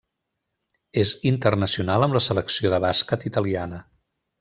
És internacional amb la selecció de bàsquet italiana.